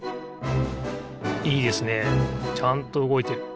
いいですねちゃんとうごいてる。